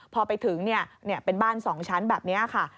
พอไปถึงเป็นบ้าน๒ชั้นแบบนี้ค่ะ